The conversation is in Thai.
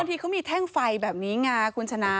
เป็นที่เขามีแท่งไฟแบบนี้นะคุณชนะ